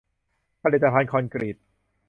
ผลิตภัณฑ์คอนกรีต